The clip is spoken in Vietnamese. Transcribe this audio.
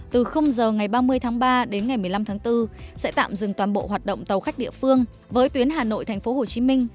từ giờ ngày ba mươi tháng ba đến ngày một mươi năm tháng bốn sẽ tạm dừng toàn bộ hoạt động tàu khách địa phương với tuyến hà nội tp hcm